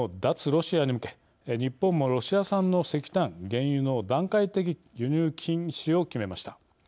ロシアに向け日本もロシア産の石炭・原油の段階的輸入禁止を決めました。